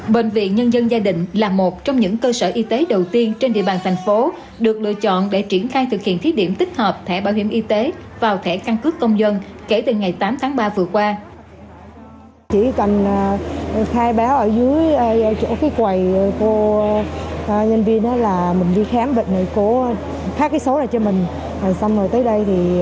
bệnh viện nhân dân gia đình là một trong những cơ sở y tế đầu tiên trên địa bàn thành phố được lựa chọn để triển khai thực hiện thiết điểm tích hợp thẻ bảo hiểm y tế vào thẻ căn cứ công dân kể từ ngày tám tháng ba vừa qua